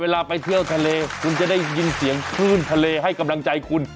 เวลาไปเที่ยวทะเลคุณจะได้ยินเสียงคลื่นทะเลให้กำลังใจคุณ